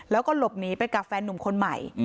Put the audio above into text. แล้วก็หลบหนีไปกับแฟนหนุ่มคนใหม่